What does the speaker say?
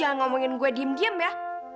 hah lo jangan ngomongin gue diem diem ya